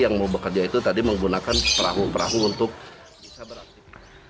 yang mau bekerja itu tadi menggunakan perahu perahu untuk bisa beraktivitas